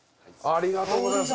ありがとうございます！